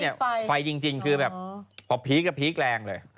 แบตฟายจริงพอพีปกะพีปกแกลงเลย